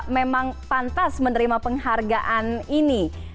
memang pantas menerima penghargaan ini